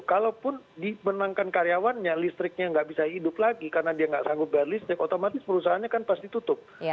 kalaupun dimenangkan karyawannya listriknya tidak bisa hidup lagi karena dia tidak sanggup memiliki listrik otomatis perusahaannya pasti tutup